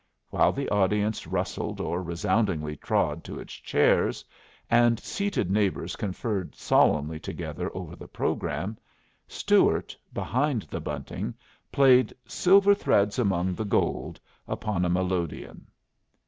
While the audience rustled or resoundingly trod to its chairs, and seated neighbors conferred solemnly together over the programme, Stuart, behind the bunting, played "Silver Threads among the Gold" upon a melodeon.